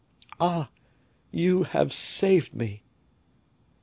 "Ah! you have saved me."